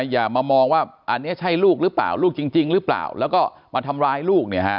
อย่ามะมองว่าอันนี้ใช่ลูกรู้ป่าวลูกจริงรึเราแล้วก็มาทำร้ายลูกเนี่ย